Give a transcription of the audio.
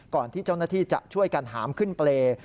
ก่อนที่เจ้าหน้าที่จะช่วยกันหามขึ้นเปรย์